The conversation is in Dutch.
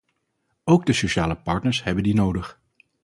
Ook de sociale partners hebben die nodig.